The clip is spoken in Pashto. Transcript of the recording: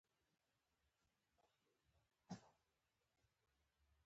فکري او فرهنګي مرکزونه رغول.